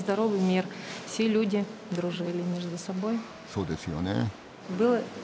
そうですよね。